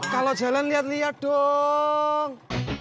kalo jalan liat liat dong